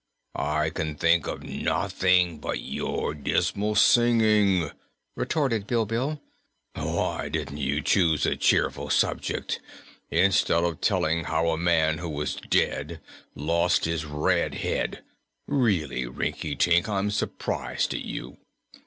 "I can think of nothing but your dismal singing," retorted Bilbil. "Why didn't you choose a cheerful subject, instead of telling how a man who was dead lost his red head? Really, Rinkitink, I'm surprised at you.